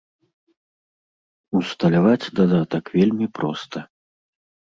Усталяваць дадатак вельмі проста.